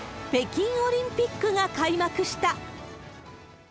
北京オリンピックが開幕した。